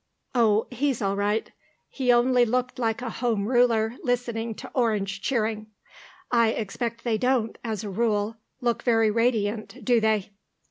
"Oh, he's all right. He only looked like a Home Ruler listening to Orange cheering. I expect they don't, as a rule, look very radiant, do they?"